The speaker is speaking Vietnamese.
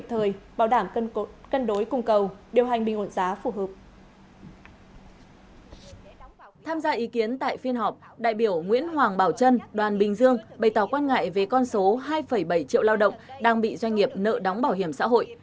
hiện tại phiên họp đại biểu nguyễn hoàng bảo trân đoàn bình dương bày tỏ quan ngại về con số hai bảy triệu lao động đang bị doanh nghiệp nợ đóng bảo hiểm xã hội